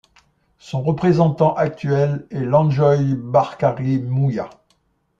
Son représentant actuel est Lanjoy Barkari Muya.